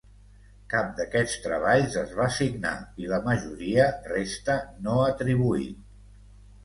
Cap d'aquests treballs es va signar i la majoria resta no atribuït.